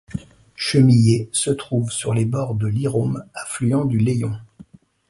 Chemillé se trouve sur les bords de l'Hyrôme, affluent du Layon.